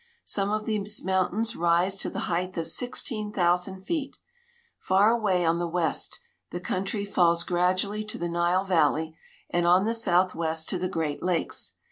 Some of these mountains rise to the height of sixteen thousand feet. Far away on the west the countiy falls gradually to the Nile valley, and on the southwest to the great lakes.